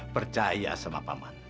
percaya sama paman